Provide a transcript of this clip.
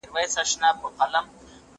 زه اوس مړۍ خورم،